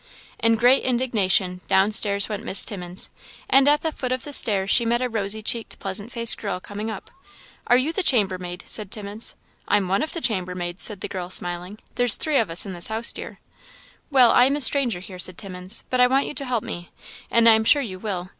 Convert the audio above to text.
In great indignation, down stairs went Miss Timmins; and at the foot of the stairs she met a rosy cheeked, pleasant faced girl coming up. "Are you the chambermaid?" said Timmins. "I'm one of the chambermaids," said the girl, smiling; "there's three of us in this house, dear." "Well, I am a stranger here," said Timmins, "but I want you to help me, and I am sure you will.